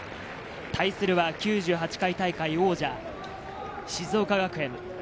対するは９８回大会王者、静岡学園。